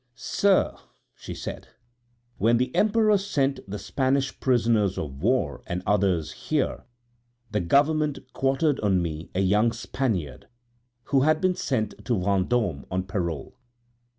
"Sir," she said, "when the Emperor sent the Spanish prisoners of war and others here, the Government quartered on me a young Spaniard who had been sent to Vendôme on parole.